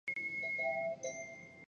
滋贺县出身。